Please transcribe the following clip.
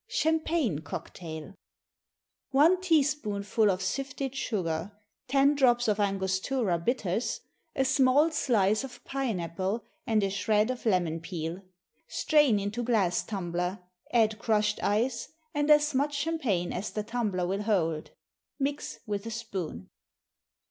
Champagne Cocktail. One teaspoonful of sifted sugar, ten drops of Angostura bitters, a small slice of pine apple, and a shred of lemon peel. Strain into glass tumbler, add crushed ice, and as much champagne as the tumbler will hold. Mix with a spoon.